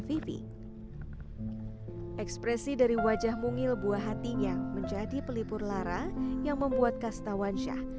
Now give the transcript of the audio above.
vivi ekspresi dari wajah mungil buah hatinya menjadi pelipur lara yang membuat kastawan syah